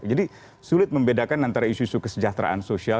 jadi sulit membedakan antara isu isu kesejahteraan sosial